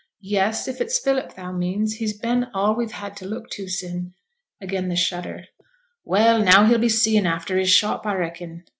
'Yes, if it's Philip thou means; he's been all we've had to look to sin'.' Again the shudder. 'Well, now he'll be seein' after his shop, a reckon?'